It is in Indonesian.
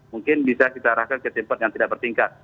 mungkin bisa kita arahkan ke tempat yang tidak bertingkat